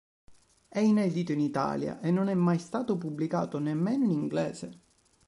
È inedito in Italia e non è mai stato pubblicato nemmeno in inglese.